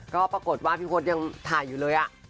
ก็ปรากฏว่าพี่พศยังถ่ายอยู่เลย